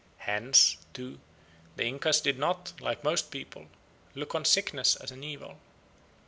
Hence, too, the Incas did not, like most people, look on sickness as an evil.